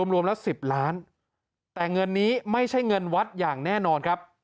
รวมละ๑๐ล้านแต่เงินนี้ไม่ใช่เงินวัดอย่างแน่นอนครับ